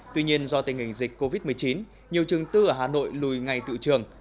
tuy nhiên do tình hình dịch covid một mươi chín nhiều trường tư ở hà nội lùi ngày tự trường